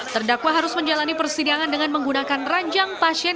terdakwa harus menjalani persidangan dengan menggunakan ranjang pasien